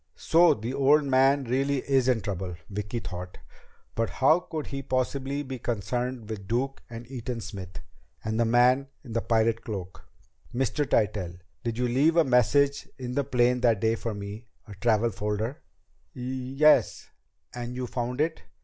So the old man really is in trouble, Vicki thought. But how could he possibly be connected with Duke and Eaton Smith and the man in the pirate cloak? "Mr. Tytell, did you leave a message in the plane that day for me? A travel folder?" "Y yes. And you found it!"